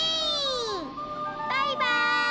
バイバーイ！